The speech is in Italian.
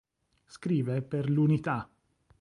Scrive per L'Unità.